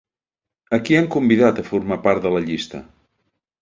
A qui han convidat a formar part de la llista?